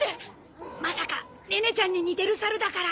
まさかネネちゃんに似てる猿だから。